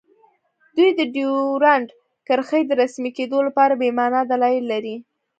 دوی د ډیورنډ کرښې د رسمي کیدو لپاره بې مانا دلایل لري